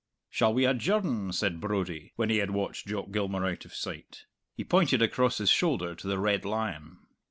"Shall we adjourn?" said Brodie, when they had watched Jock Gilmour out of sight. He pointed across his shoulder to the Red Lion.